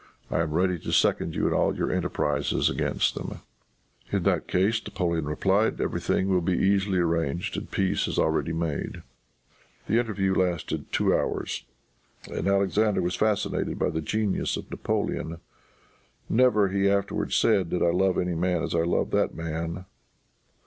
I am ready to second you in all your enterprises against them." "In that case," Napoleon replied, "every thing will be easily arranged and peace is already made." The interview lasted two hours, and Alexander was fascinated by the genius of Napoleon. "Never," he afterwards said, "did I love any man as I loved that man."